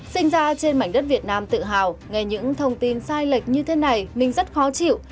sinh ra trên mảnh đất việt nam tự hào nghe những thông tin sai lệch như thế này mình rất khó chịu